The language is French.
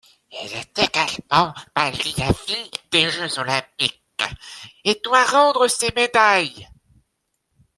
Il est également banni à vie des Jeux olympiques et doit rendre ses médailles.